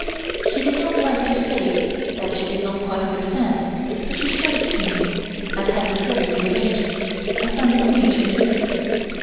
She did not like to say that she did not quite understand, so she turned to me, as had been previously arranged, a sign for me to interpret.